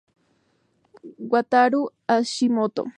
Wataru Hashimoto